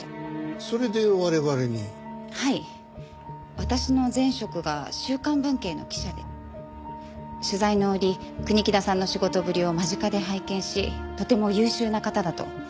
私の前職が『週刊文啓』の記者で取材の折国木田さんの仕事ぶりを間近で拝見しとても優秀な方だと。